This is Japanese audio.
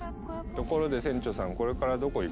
ところで船長さんこれからどこ行く？